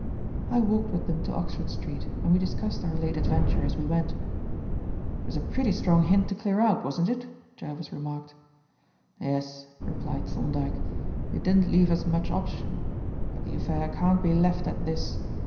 I walked with them to Oxford Street and we discussed our late adventure as we went. "It was a pretty strong hint to clear out, wasn't it?" Jervis remarked. "Yes," replied Thorndyke; "it didn't leave us much option. But the affair can't be left at this.